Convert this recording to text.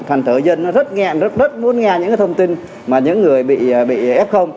thành thử dân nó rất nghe rất muốn nghe những thông tin mà những người bị f